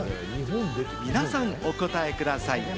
皆さん、お答えください。